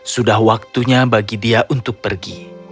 sudah waktunya bagi dia untuk pergi